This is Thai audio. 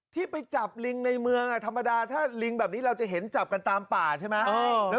ที่ไปจับลิงในเมืองธรรมดาถ้าลิงแบบนี้เราจะเห็นจับกันตามป่าใช่ไหม